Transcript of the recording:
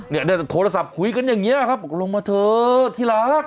อ้อเนี่ยเนี่ยโทรศัพท์คุยกันอย่างเงี้ยครับลงมาเถอะที่รัก